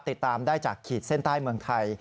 ติดตามได้จากขีดเส้นใต้เมืองไทย